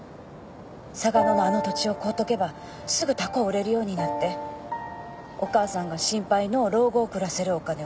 嵯峨野のあの土地を買うとけばすぐ高う売れるようになってお母さんが心配のう老後を暮らせるお金を稼げる思うて。